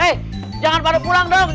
eh jangan pada pulang dong